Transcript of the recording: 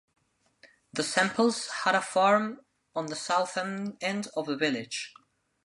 The Zempels had a farm on the south end of the village.